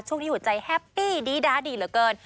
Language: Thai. ช่วงนี้หัวใจแฮปปี้ดีดาดีเหลือเกิน